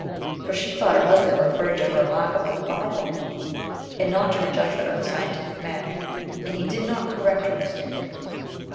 For she thought her husband referred to her remark about the Bible, and not to her judgment of the scientific men. And he did not correct her mistake.